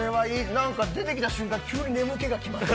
出てきた瞬間急に眠気がきました。